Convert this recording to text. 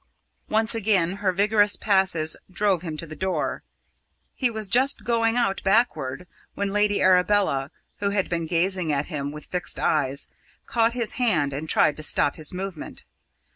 Once again her vigorous passes drove him to the door. He was just going out backward when Lady Arabella, who had been gazing at him with fixed eyes, caught his hand and tried to stop his movement.